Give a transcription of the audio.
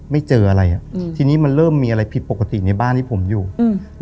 ไม่เจออะไรอ่ะอืมทีนี้มันเริ่มมีอะไรผิดปกติในบ้านที่ผมอยู่อืม